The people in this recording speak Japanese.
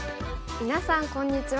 みなさんこんにちは。